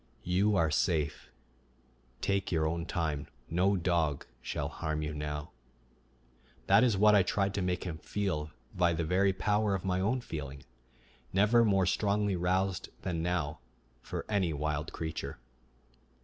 "You are safe. Take your own time. No dog shall harm you now." That is what I tried to make him feel by the very power of my own feeling, never more strongly roused than now for any wild creature.